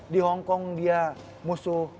di hongkong dia musuh